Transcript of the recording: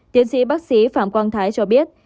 tiến sĩ bác sĩ phạm quang thái cho biết